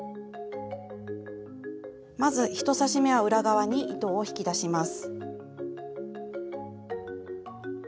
まず１刺し目は裏側に糸を引き出します。